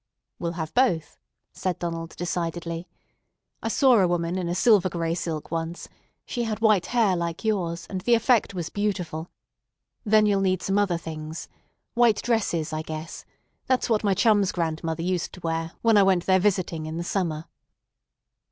"We'll have both," said Donald decidedly. "I saw a woman in a silver gray silk once. She had white hair like yours, and the effect was beautiful. Then you'll need some other things. White dresses, I guess. That's what my chum's grandmother used to wear when I went there visiting in the summer."